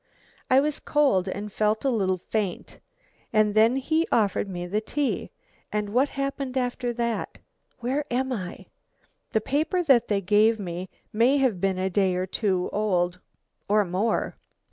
"I was cold and felt a little faint and then he offered me the tea and what happened after that? Where am I? The paper that they gave me may have been a day or two old or more.